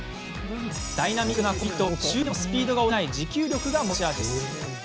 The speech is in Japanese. ダイナミックなこぎと終盤でもスピードが落ちない持久力が持ち味です。